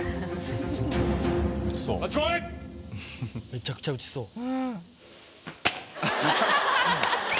めちゃくちゃ打ちそう。